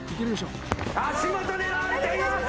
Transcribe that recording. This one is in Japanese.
足元狙われています。